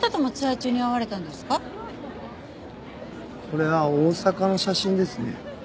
これは大阪の写真ですね。